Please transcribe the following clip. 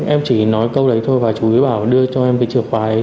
em chỉ nói câu đấy thôi và chú ấy bảo đưa cho em cái chìa khóa ấy